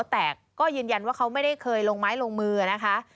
แต่ก็ยืนยันว่าเขาไม่ได้เคยลงไม้ลงมือนะคะ